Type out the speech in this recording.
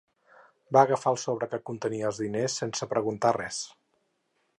Va agafar el sobre que contenia els diners sense preguntar res.